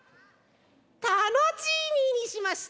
タノチーミーにしました。